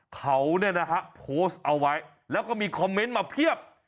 เขาโพสต์เอาไว้แล้วก็มีคอมเมนต์มาเพียบ